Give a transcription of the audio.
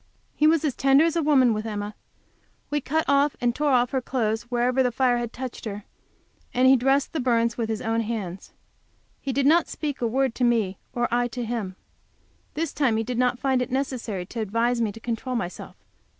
He was as tender as a woman with Emma; we cut off and tore off her clothes wherever the fire had touched her, and he dressed the burns with his own hands. He did not speak a word to me, or I to him. This time he did not find it necessary to advise me to control myself.